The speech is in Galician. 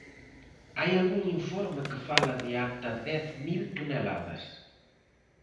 Hai algún informe que fala de ata dez mil toneladas.